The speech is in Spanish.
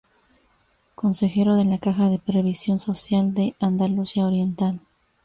Consejero de la Caja de Previsión Social de Andalucía Oriental.